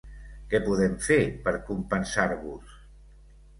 Què podem fer per compensar-vos?